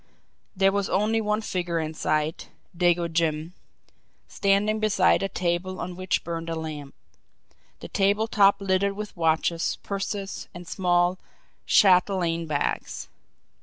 There was only one figure in sight Dago Jim standing beside a table on which burned a lamp, the table top littered with watches, purses, and small chatelaine bags.